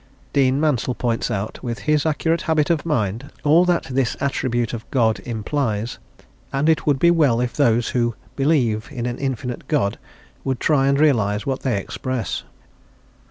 Dean Mansel points out, with his accurate habit of mind, all that this attribute of God implies, and it would be well if those who "believe in an infinite God" would try and realise what they express.